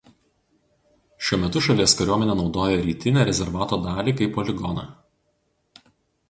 Šiuo metu šalies kariuomenė naudoja rytinę rezervato dalį kaip poligoną.